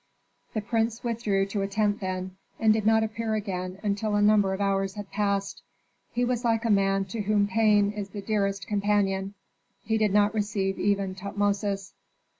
The prince withdrew to a tent then, and did not appear again until a number of hours had passed. He was like a man to whom pain is the dearest companion. He did not receive even Tutmosis.